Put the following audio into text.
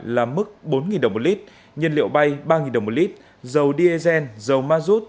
là mức bốn đồng một lít nhiên liệu bay ba đồng một lít dầu diesel dầu mazut